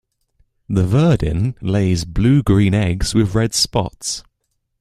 The verdin lays blue-green eggs with red spots.